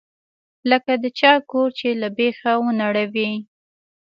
لکه د چا کور چې له بيخه ونړوې.